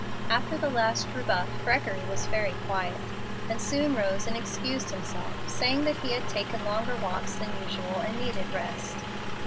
After the last rebuff, Gregory was very quiet, and soon rose and excused himself, saying that he had taken longer walks than usual and needed rest.